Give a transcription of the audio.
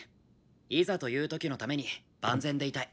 いざという時のために万全でいたい。